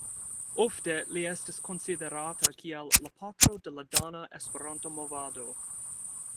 Ofte li estas konsiderata kiel "la patro de la dana Esperanto-movado".